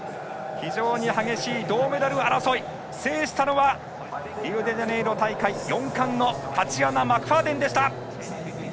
非常に激しい銅メダル争い制したのはリオデジャネイロ大会４冠のタチアナ・マクファーデンでした。